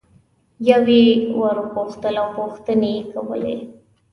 یوه یي ور غوښتل او پوښتنې یې کولې.